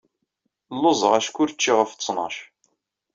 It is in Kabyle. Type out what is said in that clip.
Lluẓeɣ acku ur cciɣ ɣef ttnac.